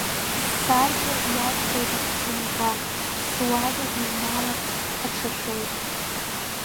Ссаркьа иадхоит аԥсынкәа, суада иҩналарц аҽашәоит.